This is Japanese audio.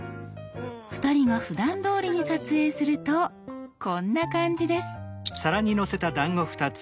２人がふだんどおりに撮影するとこんな感じです。